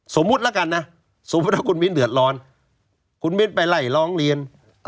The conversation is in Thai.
สมมุติแล้วกันนะสมมุติว่าคุณมิ้นเดือดร้อนคุณมิ้นไปไล่ร้องเรียน